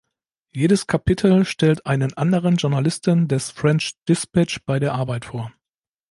Jedes Kapitel stellt einen anderen Journalisten des "French Dispatch" bei der Arbeit vor.